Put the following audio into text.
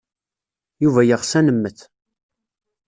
Yuba yeɣs ad nemmet.